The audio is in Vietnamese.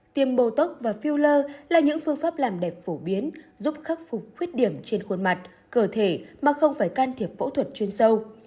tiêm bồ tóc và filler là những phương pháp làm đẹp phổ biến giúp khắc phục khuyết điểm trên khuôn mặt cơ thể mà không phải can thiệp phẫu thuật chuyên sâu